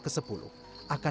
akan menggelar hajatan